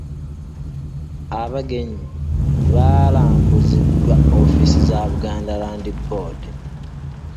Abagenyi baalambuziddwa ofiisi za Buganda Land Board.